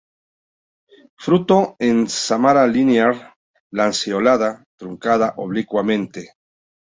Fruto en sámara linear-lanceolada, truncada oblicuamente.